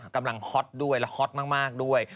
กำลังฮอตด้วยฮอตมากด้วย